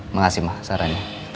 makasih mbak sarannya